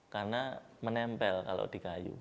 karena menempel kalau di kayu